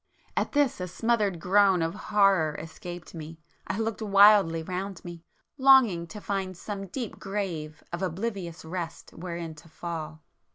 At this, a smothered groan of horror escaped me,—I looked wildly round me, longing to find some deep grave of oblivious rest wherein to fall.